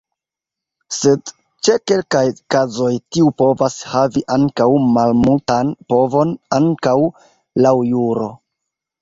Sed ĉe kelkaj kazoj tiu povas havi ankaŭ malmultan povon ankaŭ laŭ juro.